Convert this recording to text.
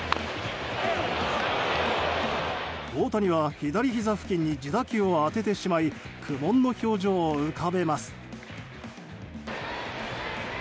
大谷は左ひざ付近に自打球を当ててしまい苦悶の表情を浮かべます。